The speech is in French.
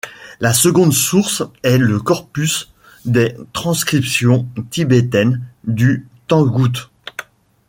La seconde source est le corpus des transcriptions tibétaines du tangoute.